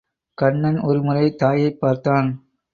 கண்ணன் ஒரு முறை தாயைப் பார்த்தான்.